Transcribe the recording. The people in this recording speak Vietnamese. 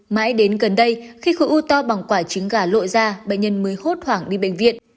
mãi đến gần đây khi khối u to bằng quả trứng gà lội ra bệnh nhân mới hốt hoảng đi bệnh viện